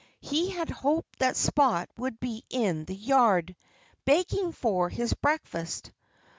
He had hoped that Spot would be in the yard, begging for his breakfast.